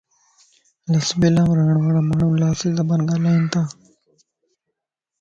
لسبيلا مَ رھڻ وارا ماڻھو لاسي زبان ڳالھائينتا